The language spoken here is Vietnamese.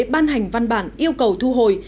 ban hành văn bản yêu cầu thu hồi